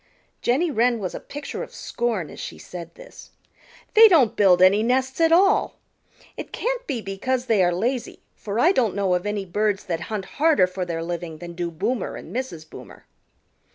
Jenny Wren was a picture of scorn as she said this. "They don't built any nests at all. It can't be because they are lazy for I don't know of any birds that hunt harder for their living than do Boomer and Mrs. Boomer."